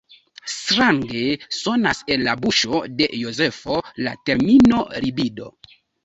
Strange sonas en la buŝo de Jozefo la termino libido.